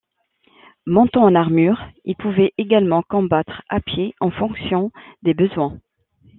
Montant en armure, ils pouvaient également combattre à pied en fonction des besoins.